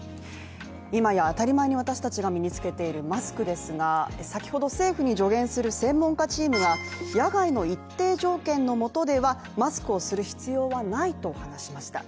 今や当たり前に私達が身に着けているマスクですが、先ほど政府に助言する専門家チームが野外の一定条件のもとでは、マスクをする必要はないと話しました。